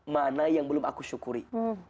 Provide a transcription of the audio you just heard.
mana yang belum aku syukuri